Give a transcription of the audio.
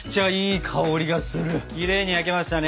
きれいに焼けましたね！